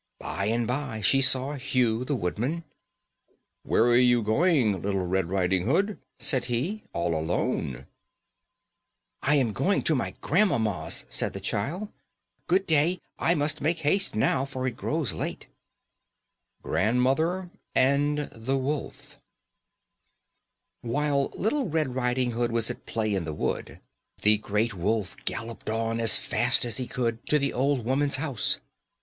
By and by she saw Hugh, the woodman. "Where are you going, Little Red Riding Hood," said he, "all alone?" [Illustration: LITTLE RED RIDING HOOD CATCHING BUTTERFLIES.] "I am going to my grandmamma's," said the child. "Good day; I must make haste now, for it grows late." GRANDMOTHER AND THE WOLF. While Little Red Riding Hood was at play in the wood, the great wolf galloped on as fast as he could to the old woman's house.